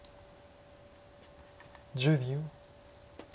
１０秒。